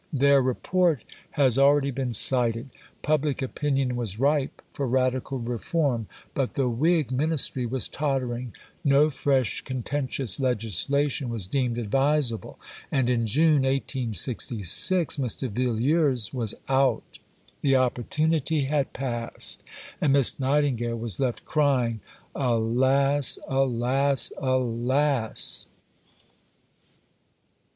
Their Report has already been cited. Public opinion was ripe for radical reform; but the Whig Ministry was tottering, no fresh contentious legislation was deemed advisable, and in June 1866 Mr. Villiers was out. The opportunity had passed, and Miss Nightingale was left crying, "Alas! Alas! Alas!"